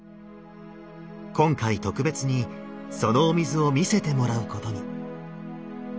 今回特別にそのお水を見せてもらうことに。